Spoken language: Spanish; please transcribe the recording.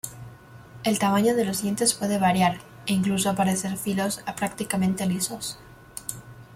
El tamaño de los dientes puede variar, e incluso aparecer filos prácticamente lisos.